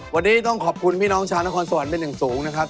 วันนี้ต้องขอบคุณพี่น้องชาวนครสวรรค์เป็นอย่างสูงนะครับ